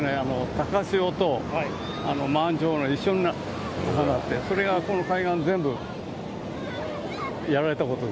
高潮と満潮が一緒になって、重なって、それがこの海岸全部やられたことで。